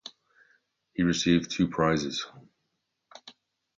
He received two prizes.